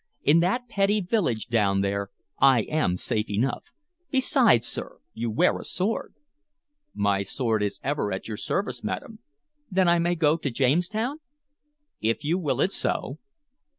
In that petty village down there I am safe enough. Besides, sir, you wear a sword." "My sword is ever at your service, madam." "Then I may go to Jamestown?" "If you will it so."